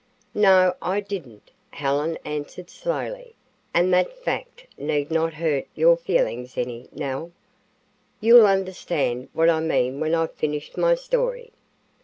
"No, I didn't," Helen answered slowly, "and that fact need not hurt your feelings any, Nell. You'll understand what I mean when I've finished my story.